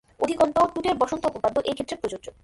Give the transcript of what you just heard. অধিকন্তু, টুটের বসন্ত উপপাদ্য এই ক্ষেত্রে প্রযোজ্য।